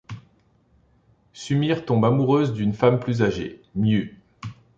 Sumire tombe amoureuse d'une femme plus âgée, Miu.